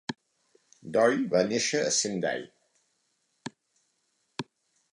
Doi va néixer a Sendai.